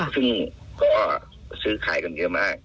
ซึ่งก็ซื้อขายกันเยอะมาก